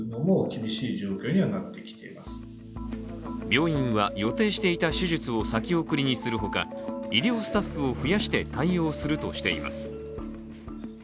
病院は予定していた手術を先送りにするほか医療スタッフを増やして対応するとしています